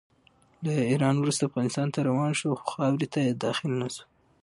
له ایران وروسته افغانستان ته روان شو، خو خاورې ته یې داخل نه شو.